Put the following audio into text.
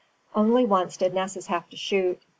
Only once did Nessus have to shoot.